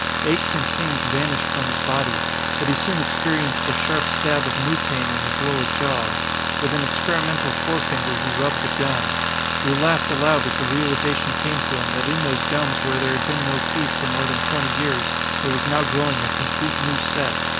Aches and pains vanished from his body, but he soon experienced a sharp stab of new pain in his lower jaw. With an experimental forefinger he rubbed the gum. He laughed aloud as the realization came to him that in those gums where there had been no teeth for more than twenty years there was now growing a complete new set.